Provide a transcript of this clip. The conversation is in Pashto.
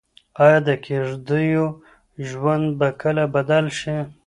ايا د کيږديو ژوند به کله بدل شي؟